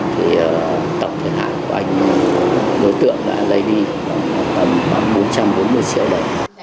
thì tổng thời hạn của anh đối tượng đã lấy đi khoảng bốn trăm bốn mươi triệu đồng